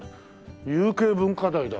有形文化財だよ